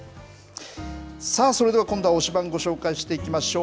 さあ、それでは今度は推しバン！、ご紹介していきましょう。